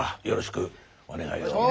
よろしくお願いを。